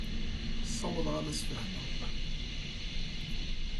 Ssawḍeɣ ad as-sfehmeɣ.